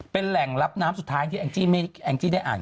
เป็นแหล่งรับน้ำสุดท้ายที่แองจี้แองจี้ได้อ่าน